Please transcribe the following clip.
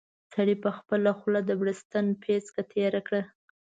سړي په خپله خوله د بړستن پېڅکه تېره کړه.